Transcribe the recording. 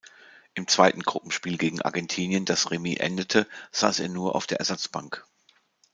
Im zweiten Gruppenspiel gegen Argentinien, das Remis endete, saß er nur auf der Ersatzbank.